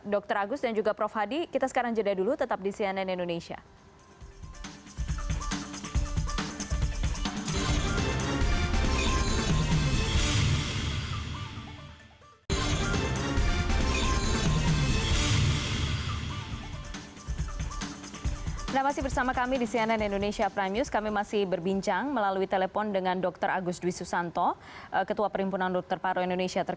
dr agus dan juga prof hadi kita sekarang jeda dulu tetap di cnn indonesia